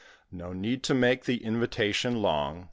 No need to make the invitation long.